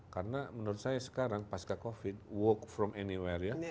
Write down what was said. karena menurut saya sekarang pasca covid work from anywhere ya